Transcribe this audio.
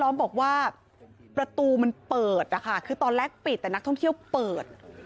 มันเปิดนะคะคือตอนแรกปิดแต่นักท่องเที่ยวเปิด